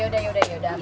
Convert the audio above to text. yaudah yaudah yaudah